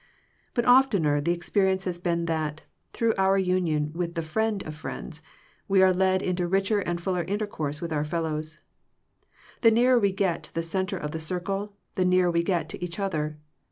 But oftener the experi ence has been that, through our union with the Friend of friends, we are led into richer and fuller intercourse with our fellows. The nearer we get to the centre of the circle, the nearer we get to each other.